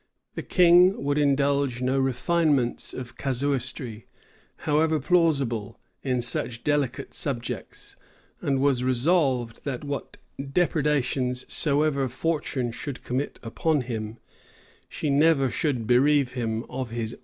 The king would indulge no refinements of casuistry, however plausible, in such delicate subjects; and was resolved that, what depredations soever fortune should commit upon him, she never should bereave him of his honor.